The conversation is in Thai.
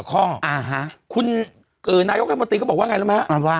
คุณนายกและมตรีก็บอกว่าไงแล้วไหมฮะ